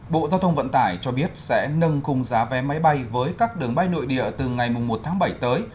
bộ giao thông vận tải cho biết sẽ nâng khung giá vé máy bay với các đường bay nội địa từ ngày một tháng bảy tới